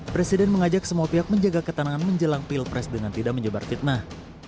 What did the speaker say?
presiden mengajak semua pihak menjaga ketenangan menjelang pilpres dengan tidak menyebar fitnah